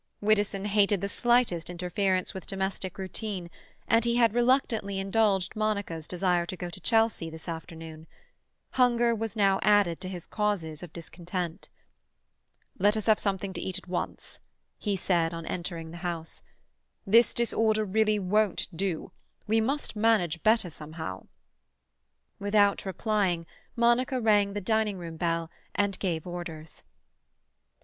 Widdowson hated the slightest interference with domestic routine, and he had reluctantly indulged Monica's desire to go to Chelsea this afternoon. Hunger was now added to his causes of discontent. "Let us have something to eat at once," he said on entering the house. "This disorder really won't do: we must manage better somehow." Without replying, Monica rang the dining room bell, and gave orders.